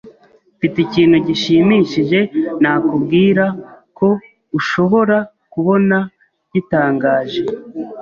Mfite ikintu gishimishije nakubwira ko ushobora kubona gitangaje.